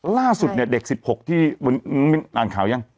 ล่าสุดเนี่ยเด็ก๑๖ที่อ่านข่าวยัง